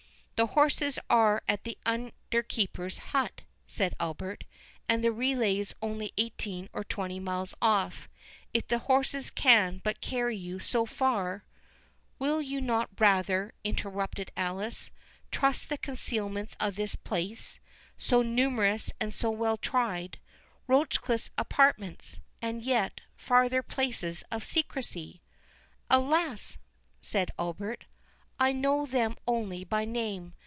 "The horses are at the under keeper's hut," said Albert, "and the relays only eighteen or twenty miles off. If the horses can but carry you so far"— "Will you not rather," interrupted Alice, "trust to the concealments of this place, so numerous and so well tried—Rochecliffe's apartments, and the yet farther places of secrecy?" "Alas!" said Albert, "I know them only by name.